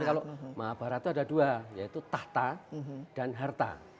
tapi kalau mahabarata ada dua yaitu tahta dan harta